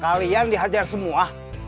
kalian dihajar semua